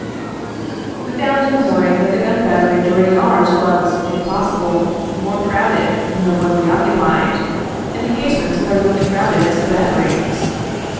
We found in the morning that the gun battery adjoining ours was, if possible, more crowded than the one we oc cupied, and the casemates were as much crowded as the batteries.